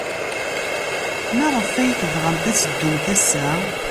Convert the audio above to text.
Maɣef ay tebɣamt ad teddumt ass-a?